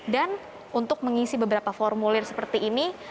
dan untuk mengisi beberapa formulir seperti ini